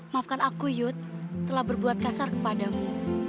maafkan aku yud telah berbuat kasar kepadamu